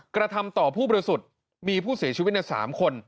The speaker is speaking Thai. กระทำต่อผู้บริสุทธิ์มีผู้เสียชีวิตใน๓คน